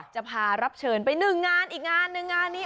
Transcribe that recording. จะพารับเชิญไปหนึ่งงานอีกงานหนึ่งงานนี้